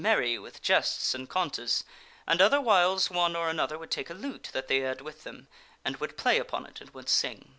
merry with jests and contes, and other whiles one or another would take a lute that they had with them and would play upon it and would sing.